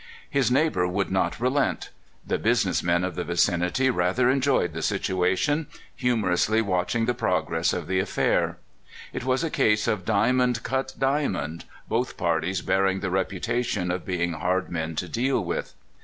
His neighbor would not relent. The busi ness men of the vicinity rather enjoyed the situa tion, humorously watching the progress of the affair. It was a case of diamond cut diamond, both parties bearing the reputation of being hard men to deal with.